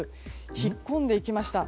引っ込んでいきました。